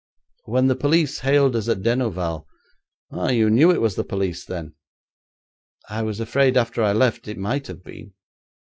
When the police hailed us at Denouval ' 'Ah, you knew it was the police, then?' 'I was afraid after I left it might have been.